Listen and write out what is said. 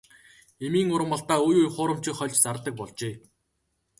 Эмийн ургамалдаа үе үе хуурамчийг хольж зардаг болжээ.